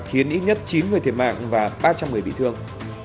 khiến ít nhất chín người thiệt mạng và ba trăm linh người bị thương